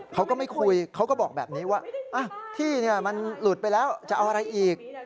เขาก็ไม่คุยเขาก็บอกแบบนี้ว่าที่มันหลุดไปแล้วจะเอาอะไรอีก